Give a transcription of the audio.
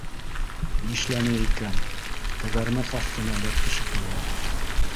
Нишләне икән? Тәгәрмәс аҫтына эләкте шикелле